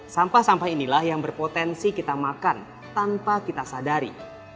sampah sampah inilah yang berpotensi kita makan tanpa kita sadari